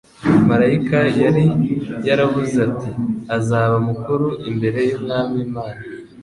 marayika yari yaravuze ati, '' Azaba mukuru imbere y'Umwami Imana,